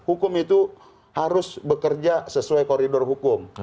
hukum itu harus bekerja sesuai koridor hukum